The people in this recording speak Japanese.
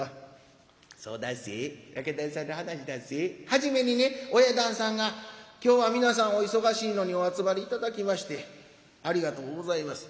はじめにね親旦さんが『今日は皆さんお忙しいのにお集まり頂きましてありがとうございます。